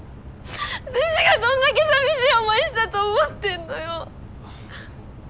私がどんだけ寂しい思いしたと思ってんのよ！